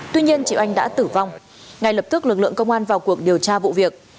tuy nhiên chị oanh đã tử vong ngay lập tức lực lượng công an vào cuộc điều tra vụ việc